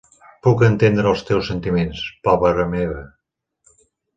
Puc entendre els teus sentiments, pobra meva.